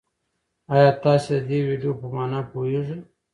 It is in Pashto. ایا تاسي د دې ویډیو په مانا پوهېږئ؟